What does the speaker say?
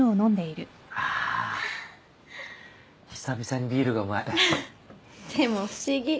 久々にビールがうまい。